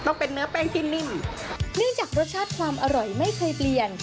เนื่องจากรสชาติความอร่อยไม่เคยเปลี่ยน